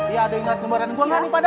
iya ada yang liat kemarin gue lah nih pada